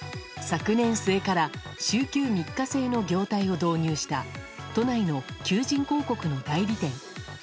昨年末から週休３日制の業態を導入した都内の求人広告の代理店。